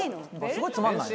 すごいつまんないな。